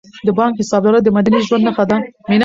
د بانک حساب لرل د مدني ژوند نښه ده.